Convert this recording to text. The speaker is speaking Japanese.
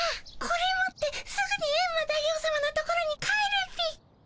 これ持ってすぐにエンマ大王さまのところに帰るっピ。